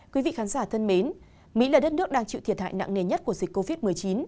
quý vị khán giả thân mến mỹ là đất nước đang chịu thiệt hại nặng nề nhất của dịch covid một mươi chín